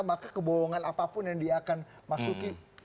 maka kebohongan apapun yang dia akan masuki